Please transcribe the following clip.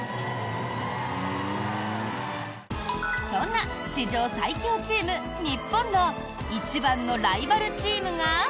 そんな史上最強チーム日本の一番のライバルチームが。